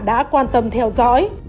đã quan tâm theo dõi